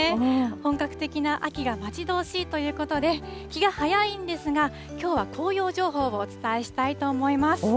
本格的な秋が待ち遠しいということで、気が早いんですが、きょうは紅葉情報をお伝えしたいと思います。